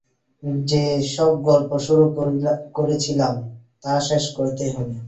যে-সব গল্প শুরু করেছিলাম, তা শেষ করতেই হবে।